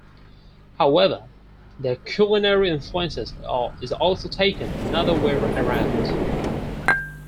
However the culinary influences is also taken another way around.